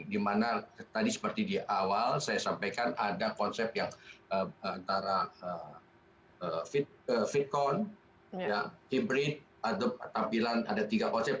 dimana tadi seperti di awal saya sampaikan ada konsep yang antara vkon hybrid ada tampilan ada tiga konsep